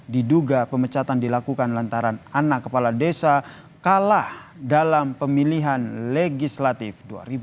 diduga pemecatan dilakukan lantaran anak kepala desa kalah dalam pemilihan legislatif dua ribu sembilan belas